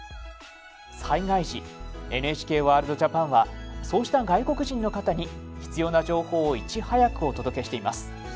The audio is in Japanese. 災害時ＮＨＫワールドＪＡＰＡＮはそうした外国人の方に必要な情報をいち早くお届けしています。